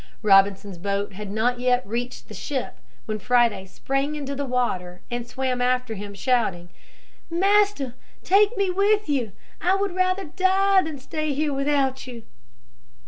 Robinson's boat had not yet reached the ship when Friday sprang into the water and swam after him shouting, "Master, take me with you, I would rather die than stay here without you."